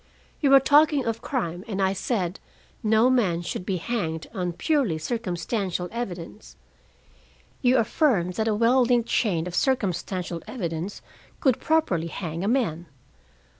"We were talking of crime, and I said no man should be hanged on purely circumstantial evidence. You affirmed that a well linked chain of circumstantial evidence could properly hang a man.